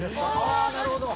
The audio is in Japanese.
ああなるほど。